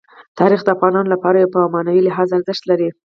تاریخ د افغانانو لپاره په معنوي لحاظ ارزښت لري.